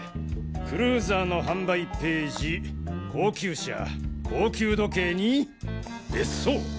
クルーザーの販売ページ高級車高級時計に別荘。